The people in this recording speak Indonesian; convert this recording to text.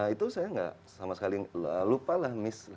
itu saya nggak sama sekali lupa lah miss